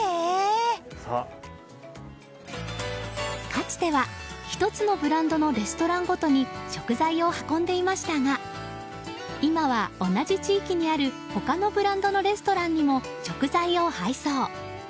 かつては、１つのブランドのレストランごとに食材を運んでいましたが今は同じ地域にある他のブランドのレストランにも食材を配送。